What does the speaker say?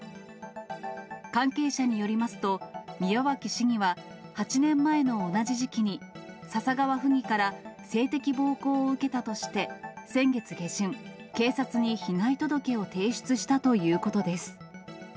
関係者によりますと、宮脇市議は、８年前の同じ時期に、笹川府議から性的暴行を受けたとして、先月下旬、警察に被害届を提出したということです。